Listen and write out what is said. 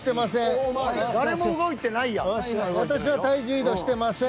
私は体重移動してません。